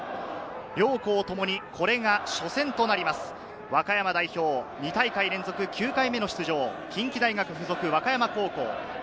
両校ともに、これが初戦となります和歌山代表、２大会連続９回目の出場、近畿大学附属中山高校。